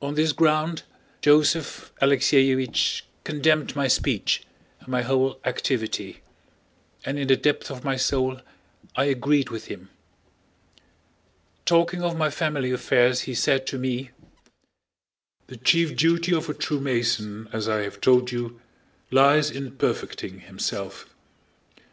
On this ground Joseph Alexéevich condemned my speech and my whole activity, and in the depth of my soul I agreed with him. Talking of my family affairs he said to me, "the chief duty of a true Mason, as I have told you, lies in perfecting himself.